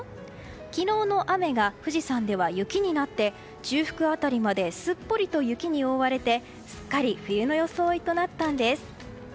昨日の雨が富士山では雪になって中腹辺りまですっぽりと雪に覆われてすっかり冬の装いとなったんです。